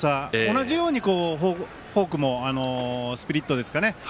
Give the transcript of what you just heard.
同じようにフォークも、スプリットですかね